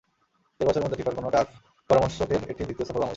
দেড় বছরের মধ্যে ফিফার কোনো টার্ফ পরামর্শকের এটি দ্বিতীয় সফর বাংলাদেশে।